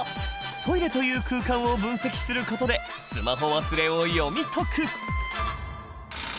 トイレという空間を分析することでスマホ忘れを読み解く。